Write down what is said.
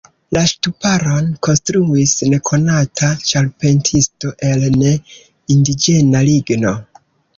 La ŝtuparon konstruis nekonata ĉarpentisto el ne-indiĝena ligno.